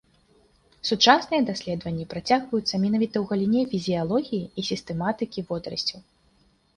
Сучасныя даследаванні працягваюцца менавіта ў галіне фізіялогіі і сістэматыкі водарасцей.